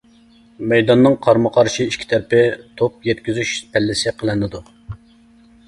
مەيداننىڭ قارمۇ قارشى ئىككى تەرىپى توپ يەتكۈزۈش پەللىسى قىلىنىدۇ.